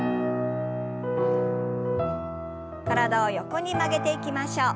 体を横に曲げていきましょう。